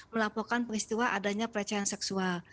melaporkan peristiwa adanya peristiwa